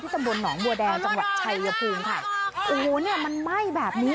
ตำบลหนองบัวแดงจังหวัดชัยภูมิค่ะโอ้โหเนี้ยมันไหม้แบบนี้